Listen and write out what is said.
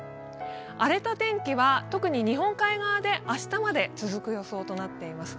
荒れた天気は特に日本海側で明日まで続く予想となっています。